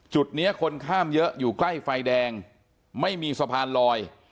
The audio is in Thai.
จุดนี้คนข้ามเยอะอยู่ใกล้ไฟแดงไม่มีสะพานลอย